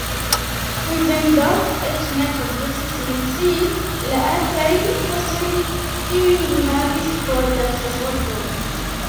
Sinzendorf eĉ ne forgesis mencii la altajn kostojn kiujn li havis por la transporto.